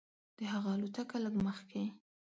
د هغه الوتکه لږ مخکې.